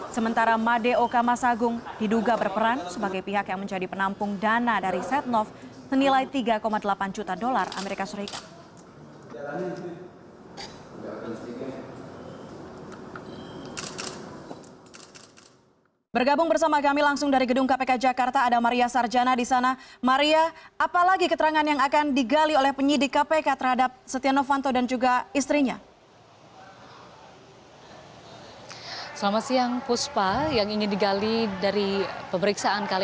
sementara made oka masagung diduga berperan sebagai pihak yang menjadi penampung dana dari setnov menilai tiga delapan juta dolar as